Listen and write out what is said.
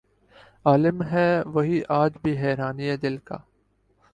عالم ہے وہی آج بھی حیرانئ دل کا